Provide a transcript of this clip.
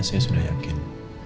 saya sudah yakin